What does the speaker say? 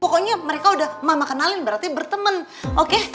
pokoknya mereka udah mama kenalin berarti berteman oke